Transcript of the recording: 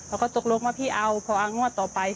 เขาก็ตกลงว่าพี่เอาพอเอางวดต่อไป